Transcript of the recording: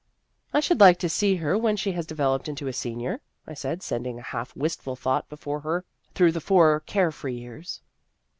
" I should like to see her when she has developed into a senior," I said, sending a half, wistful thought before her through the four care free years.